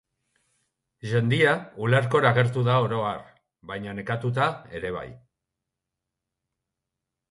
Jendea ulerkor agertu da oro har, baina nekatuta ere bai.